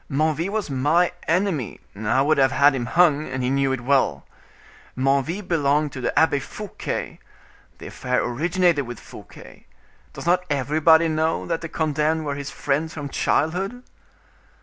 Menneville was my enemy; I would have had him hung, and he knew it well. Menneville belonged to the Abbe Fouquet—the affair originated with Fouquet; does not everybody know that the condemned were his friends from childhood?"